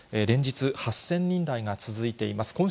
連日、８０００人台が続いています。